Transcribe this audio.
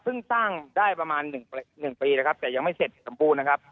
ซึ่งสร้างได้ประมาณ๑ปีนะครับแต่ยังไม่เสร็จสมบูรณ์นะครับ